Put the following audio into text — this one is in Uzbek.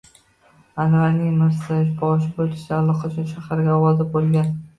Anvarning mirzaboshi bo’lishi allaqachon shaharga ovoza bo’lgan.